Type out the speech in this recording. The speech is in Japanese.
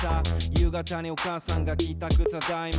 夕方にお母さんが帰たくただいま。